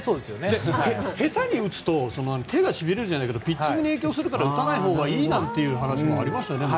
下手に打つと手がしびれるじゃないけどピッチングに影響するから打たないほうがいいなんて話もありましたよね、昔。